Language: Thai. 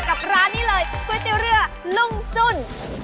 ร้านนี้เลยก๋วยเตี๋ยวเรือลุงจุ้น